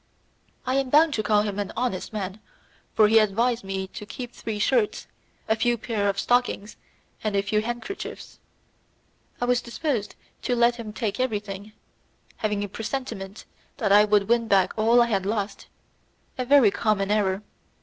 I am bound to call him an honest man, for he advised me to keep three shirts, a few pairs of stockings, and a few handkerchiefs; I was disposed to let him take everything, having a presentiment that I would win back all I had lost; a very common error.